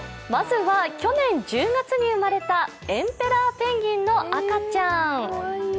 まずは、去年１０月に生まれた、エンペラーペンギンの赤ちゃん。